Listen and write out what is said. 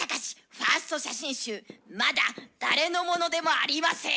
ファースト写真集「まだ誰のものでもありません」。